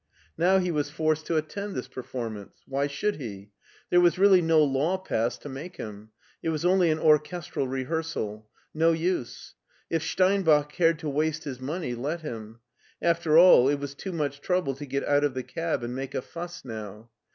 Now he was forced to attend this performance. Why should he? There was really no law passed to make him. It was only an orchestral rehearsal. No use. If Steinbach cared to waste his money, let him. After all, it was too much trouble to get out of the cab and make a fuss now.